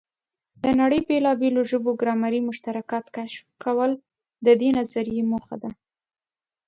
د نړۍ بېلابېلو ژبو ګرامري مشترکات کشف کول د دې نظریې موخه ده.